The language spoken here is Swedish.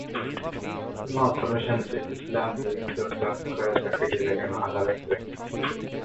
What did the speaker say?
Matsalen kändes lite slamrig trots de ambitiösa skiljeväggarna, alla växter och textilier.